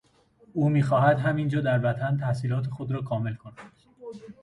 او میخواهد همین جا در وطن تحصیلات خود را کامل کند.